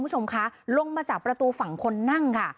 คุณผู้ชมคะลงมาจากประตูฝั่งคนนั่งค่ะ